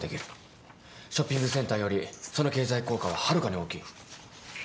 ショッピングセンターよりその経済効果ははるかに大きい。